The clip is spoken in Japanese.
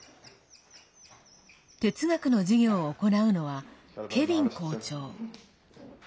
哲学の授業を行うのはケヴィン校長。